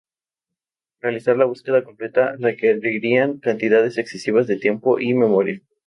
Realizar la búsqueda completa requerirían cantidades excesivas de tiempo y memoria.